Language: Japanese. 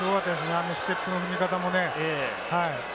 あのステップの踏み方もね。